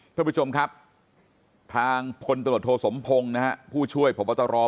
ท่านผู้ชมครับทางพลตำรวจโทสมพงศ์นะฮะผู้ช่วยพบตร